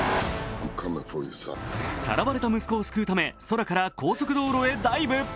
さらわれた息子を救うため、空から高速道路へダイブ。